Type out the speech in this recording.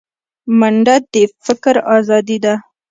منډه د فکر ازادي ده